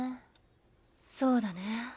そうだね。